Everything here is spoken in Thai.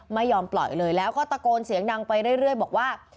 ไม่ยอมปล่อยเลยแล้วก็ตะโกนเสียงดังไปเรื่อยบอกว่า